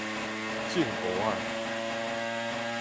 種芋仔